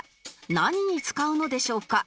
何に使うのでしょうか？